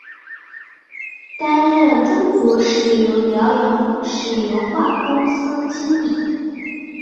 担任中国石油辽阳石油化工公司经理。